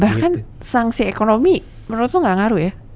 bahkan sanksi ekonomi menurut lo nggak ngaruh ya